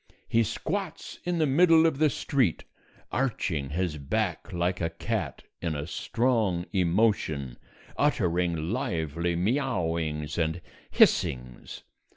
He squats in the middle of the street, arching his back like a cat in a strong emotion, uttering lively miaowings and hissings.